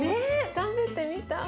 食べてみたい。